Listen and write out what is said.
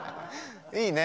いいね。